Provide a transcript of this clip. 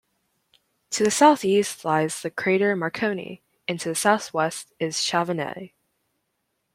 To the southeast lies the crater Marconi, and to the southwest is Chauvenet.